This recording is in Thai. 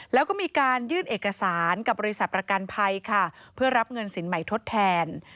แล้วก็มีการยื่นเอกสารกับบริษัทประกันภัยค่ะเพื่อรับเงินสินใหม่ทดแทน